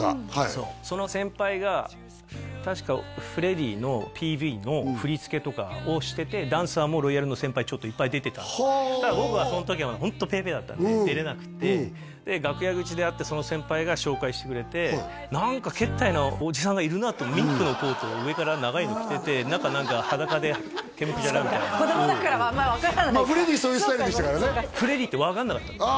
そうその先輩が確かフレディのＰＶの振り付けとかをしててダンサーもロイヤルの先輩ちょっといっぱい出てた僕はその時まだホントペーペーだったんで出れなくってで楽屋口で会ってその先輩が紹介してくれて何かミンクのコートを上から長いの着てて子供だからあんまり分からないかまあフレディそういうスタイルでしたからねああ知らなかったんだ